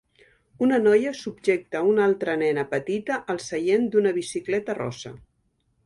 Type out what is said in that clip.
Una noia subjecta una altra nena petita al seient d"una bicicleta rosa.